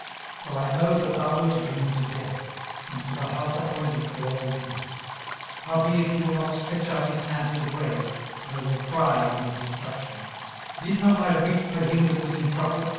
18:030:023 For I know that thou wilt bring me to death, and to the house appointed for all living. 18:030:024 Howbeit he will not stretch out his hand to the grave, though they cry in his destruction. 18:030:025 Did not I weep for him that was in trouble?